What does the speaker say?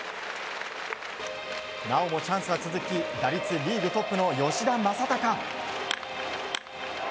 なおもチャンスは続き打率リーグトップの吉田正尚。